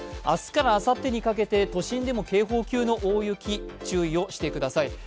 明日からあさってにかけて都心でも警報級の大雪、注意をしてください。